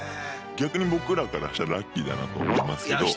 逆に僕らからしたらラッキーだなと思いますけど。